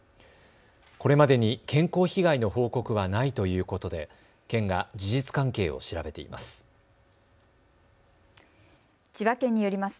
これまでに健康被害の報告はないということで県が事実関係を調べています。